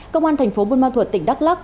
công an thành phố buôn ma thuật tỉnh đắk lắc